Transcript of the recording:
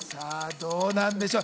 どうなんでしょう？